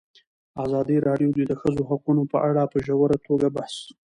ازادي راډیو د د ښځو حقونه په اړه په ژوره توګه بحثونه کړي.